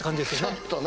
ちょっとね。